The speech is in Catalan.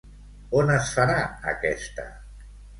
On es farà aquesta?